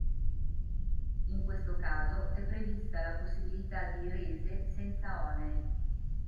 In questo caso è prevista la possibilità di rese senza oneri.